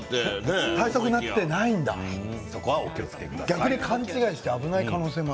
逆に勘違いして危ない可能性もある。